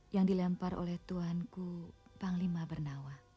yang dilempar oleh tuhanku panglima bernawa